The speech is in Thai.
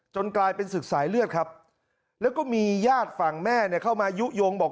กลายเป็นศึกสายเลือดครับแล้วก็มีญาติฝั่งแม่เนี่ยเข้ามายุโยงบอก